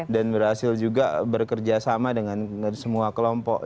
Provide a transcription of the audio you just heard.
dan berhasil juga bekerja sama dengan semua kelompok